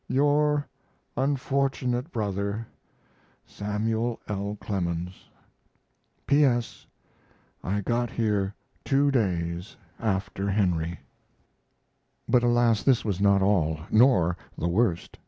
Your unfortunate brother, SAML. L. CLEMENS. P. S. I got here two days after Henry. But, alas, this was not all, nor the worst.